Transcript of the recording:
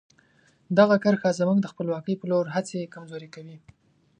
دغه کرښه زموږ د خپلواکۍ په لور هڅې کمزوري کوي.